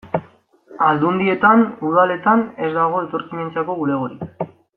Aldundietan, udaletan, ez dago etorkinentzako bulegorik.